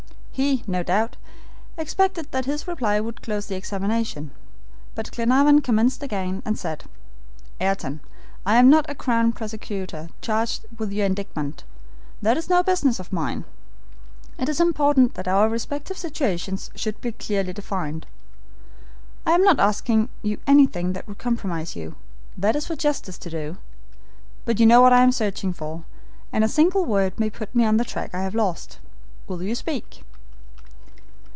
He, no doubt, expected that his reply would close the examination, but Glenarvan commenced again, and said: "Ayrton, I am not a Crown prosecutor charged with your indictment. That is no business of mine. It is important that our respective situations should be clearly defined. I am not asking you anything that could compromise you. That is for justice to do. But you know what I am searching for, and a single word may put me on the track I have lost. Will you speak?"